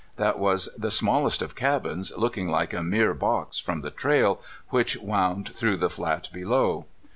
That was the smallest of cabins, looking like a mere box from the trail which wound through the flat below.